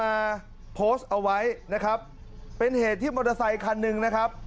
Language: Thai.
มาโพสต์เอาไว้นะครับเป็นเหตุที่มอเตอร์ไซคันหนึ่งนะครับ